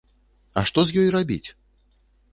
А што з ёй рабіць?